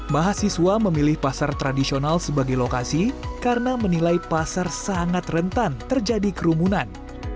mahasiswa memilih pasar tradisional sebagai lokasi karena menilai pasar sangat rentan terjadi kerumunan